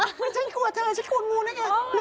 ทำล่างที่นักเรียนกำลังช่วยกันรสน้ำแปลงเกษตรอยู่ดี